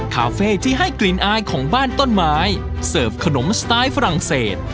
คาเฟ่ที่ให้กลิ่นอายของบ้านต้นไม้เสิร์ฟขนมสไตล์ฝรั่งเศส